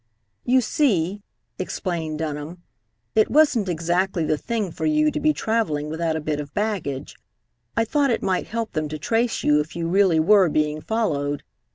"You see," explained Dunham, "it wasn't exactly the thing for you to be travelling without a bit of baggage. I thought it might help them to trace you if you really were being followed.